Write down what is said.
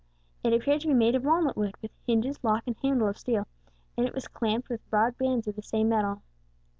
It appeared to be made of walnut wood, with hinges, lock, and handle of steel, and it was clamped with broad bands of the same metal.